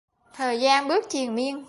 Thời gian bước triền miên